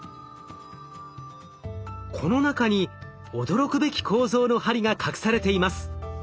この中に驚くべき構造の針が隠されています。